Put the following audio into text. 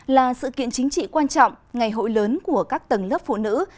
là sự kiện chính trị quan trọng ngày hội lớn của các tầng lớp phụ nữ